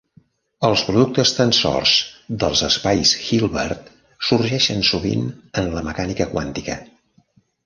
Els productes tensors dels espais Hilbert sorgeixen sovint en la mecànica quàntica.